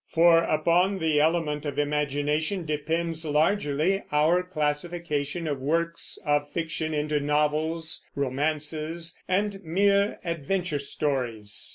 For upon the element of imagination depends, largely, our classification of works of fiction into novels, romances, and mere adventure stories.